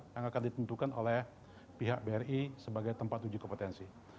yang akan ditentukan oleh pihak bri sebagai tempat uji kompetensi